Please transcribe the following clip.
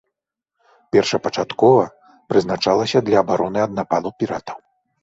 Першапачаткова прызначалася для абароны ад нападу піратаў.